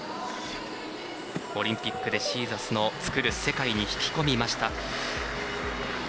オリンピックでシーザスの作る世界に引き込みました。